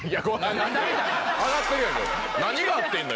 何があってんな